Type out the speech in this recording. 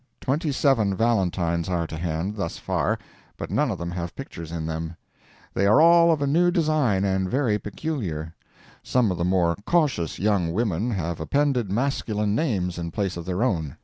Twenty seven valentines are to hand, thus far, but none of them have pictures in them. They are all of a new design and very peculiar. Some of the more cautious young women have appended masculine names in place of their own.